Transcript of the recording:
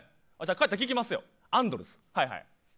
帰ったら聞きますよアンドルズ。